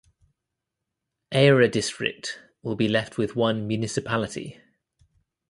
Aira District will be left with one municipality.